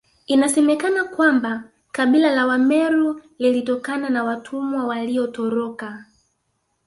Inasemekana kwamba kabila la Wameru lilitokana na watumwa waliotoroka